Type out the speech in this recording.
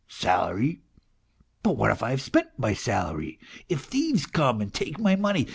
" Salary ? But what if I have spent my salary, if thieves come and take my money